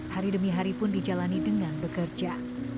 hari demi hari pun dijalani dengan bekerja